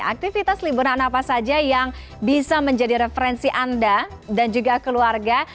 aktivitas liburan apa saja yang bisa menjadi referensi anda dan juga keluarga